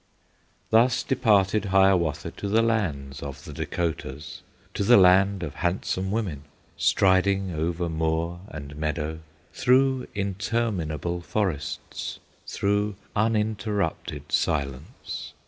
Thus departed Hiawatha To the land of the Dacotahs, To the land of handsome women; Striding over moor and meadow, Through interminable forests, Through uninterrupted silence.